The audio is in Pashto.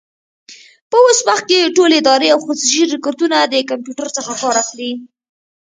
په اوس وخت کي ټولي ادارې او خصوصي شرکتونه د کمپيوټر څخه کار اخلي.